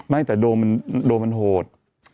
ไม่แต่โดนมันโหด